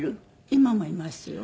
今もいますよ。